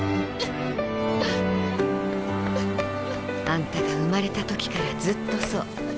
「あんたが生まれた時からずっとそう。